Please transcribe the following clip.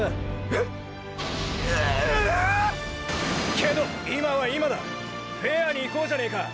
ええっ⁉けど今は今だフェアにいこうじゃねェか！！